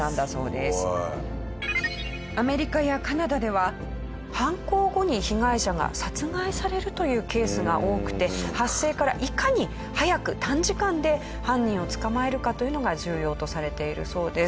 すごい！アメリカやカナダでは犯行後に被害者が殺害されるというケースが多くて発生からいかに早く短時間で犯人を捕まえるかというのが重要とされているそうです。